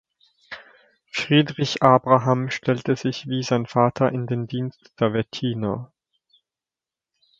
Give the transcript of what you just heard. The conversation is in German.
Friedrich Abraham stellte sich wie sein Vater in den Dienst der Wettiner.